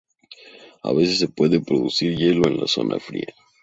A veces se puede producir hielo en la zona fría.